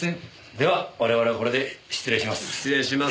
では我々はこれで失礼します。